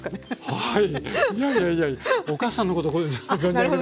はい。